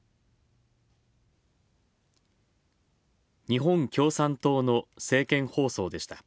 日本共産党の政見放送でした。